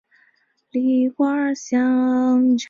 他们在阿根廷联赛扩充后从阿乙升班。